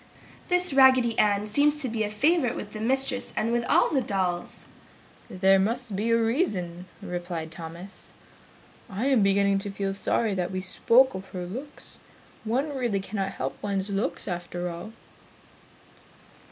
"This Raggedy Ann seems to be a favorite with the mistress and with all the dolls!" "There must be a reason!" replied Thomas, "I am beginning to feel sorry that we spoke of her looks. One really cannot help one's looks after all."